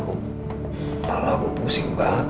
kepala aku pusing banget